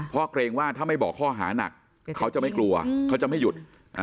เพราะเกรงว่าถ้าไม่บอกข้อหานักเขาจะไม่กลัวเขาจะไม่หยุด